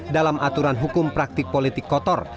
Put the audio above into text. dalam aturan hukum praktik politik kotor